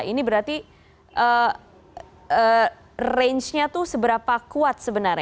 ini berarti range nya itu seberapa kuat sebenarnya